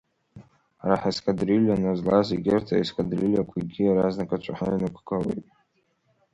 Ҳара ҳескадрилиа назлаз, егьырҭ аескадрилиақәагьы иаразнак ацәаҳәа инықәгылеит.